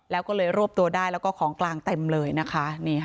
แล้วก็เลยรวบตัวได้แล้วก็ของกลางเต็มเลยนะคะ